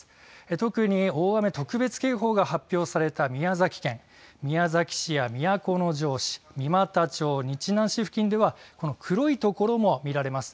特に大雨特別警報が発表された宮崎県宮崎市や都城市、三股町日南市付近ではこの黒いところも見られます。